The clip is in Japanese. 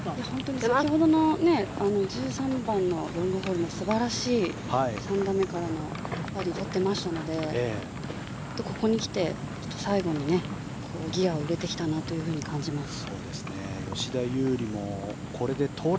先ほどの１３番のロングホールも素晴らしい３打目からの打っていましたのでここに来て、最後にギアを入れてきたなと感じます。